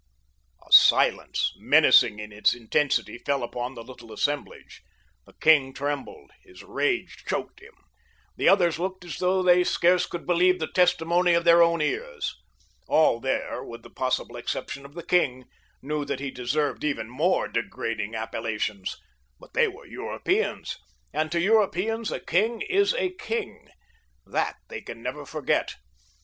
A silence, menacing in its intensity, fell upon the little assemblage. The king trembled. His rage choked him. The others looked as though they scarce could believe the testimony of their own ears. All there, with the possible exception of the king, knew that he deserved even more degrading appellations; but they were Europeans, and to Europeans a king is a king—that they can never forget.